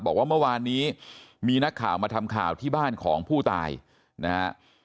บอกว่าเมื่อวานนี้มีนักข่าวมาทำข่าวที่บ้านของผู้ตายนะฮะ